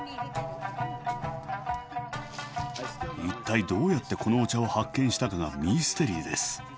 一体どうやってこのお茶を発見したかがミステリーです。